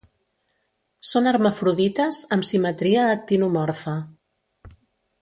Són hermafrodites, amb simetria actinomorfa.